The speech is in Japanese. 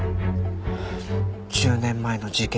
１０年前の事件